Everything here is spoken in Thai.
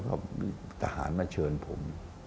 ก็ทหารมาเชิญผม